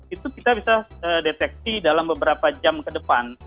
itu kita bisa deteksi dalam beberapa jam ke depan